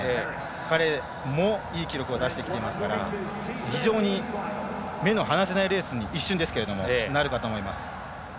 彼もいい記録を出してきていますから非常に目の離せないレースになると思います。